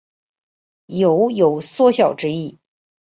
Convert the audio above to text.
酉有缩小之意。